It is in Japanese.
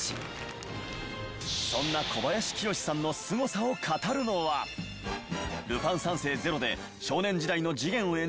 そんな小林清志さんのスゴさを語るのは『ルパン三世ＺＥＲＯ』で少年時代の次元を演じる